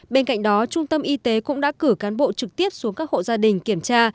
bên cạnh đó trung tâm y tế cũng đã cử cán bộ trực tiếp xuống các hộ gia đình kiểm tra